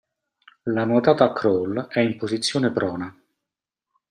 La nuotata a crawl è in posizione prona.